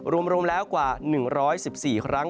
รวมแล้วกว่า๑๑๔ครั้ง